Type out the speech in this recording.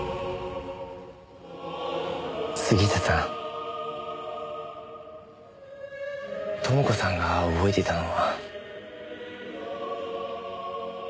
杉下さん朋子さんが覚えていたのは。